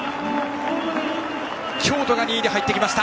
京都が２位に入ってきました。